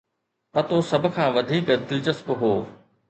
پتو سڀ کان وڌيڪ دلچسپ هو.